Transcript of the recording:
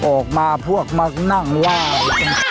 ออกมาพวกมักนั่งไหว้